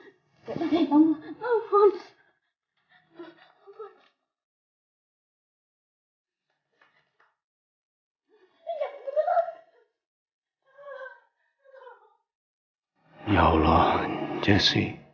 papa udah gagal jaga kamu jess